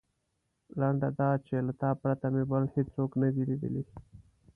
لنډه دا چې له تا پرته مې بل هېڅوک نه لیدل.